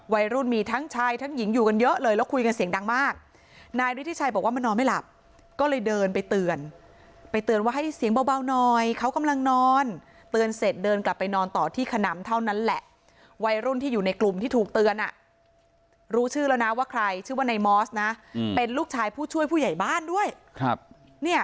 วัยรุ่นมีทั้งชายทั้งหญิงอยู่กันเยอะเลยแล้วคุยกันเสียงดังมากนายฤทธิชัยบอกว่ามานอนไม่หลับก็เลยเดินไปเตือนไปเตือนว่าให้เสียงเบาหน่อยเขากำลังนอนเตือนเสร็จเดินกลับไปนอนต่อที่ขนำเท่านั้นแหละวัยรุ่นที่อยู่ในกลุ่มที่ถูกเตือนอ่ะรู้ชื่อแล้วนะว่าใครชื่อว่านายมอสนะเป็นลูกชายผู้ช่วยผู้ใหญ่บ้านด้วยครับเนี่ย